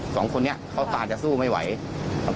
ก็ได้พลังเท่าไหร่ครับ